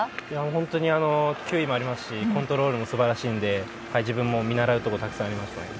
本当に球威もありますしコントロールも素晴らしいので自分も見習うところがたくさんありましたね。